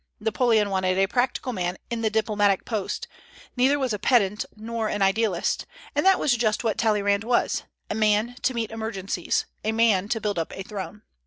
Napoleon wanted a practical man in the diplomatic post, neither a pedant nor an idealist; and that was just what Talleyrand was, a man to meet emergencies, a man to build up a throne.